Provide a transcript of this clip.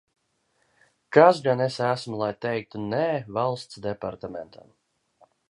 "Kas gan es esmu, lai teiktu "nē" Valsts departamentam?"